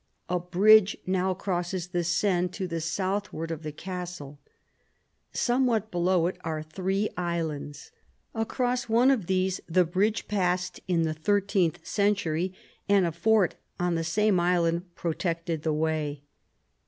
A bridge now crosses the Seine to the southward of the castle. Somewhat below it are three islands. Across one of these the bridge passed in the thirteenth century, and a fort on the same island protected the way.